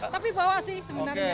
tapi bawa sih sebenarnya